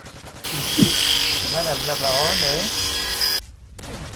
Il tousse. de madame la baronne est…